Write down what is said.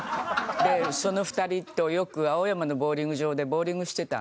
でその２人とよく青山のボウリング場でボウリングしてたの。